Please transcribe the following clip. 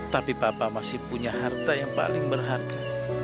tapi papa masih punya harta yang paling berharga